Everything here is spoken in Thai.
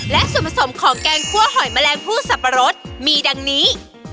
และส่วนผสมของแกงคั่วหอยแมลงผู้สับปะรดมีดังนี้